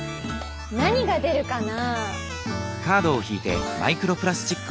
何が出るかな？